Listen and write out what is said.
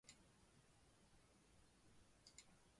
沃希托县是位于美国路易斯安那州北部的一个县。